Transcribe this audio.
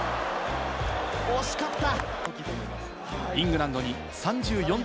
惜しかった！